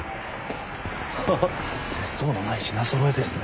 ハハ節操のない品ぞろえですね。